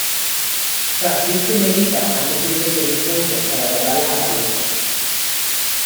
Francisco y Melita han decidido seguir juntos para guardar las apariencias.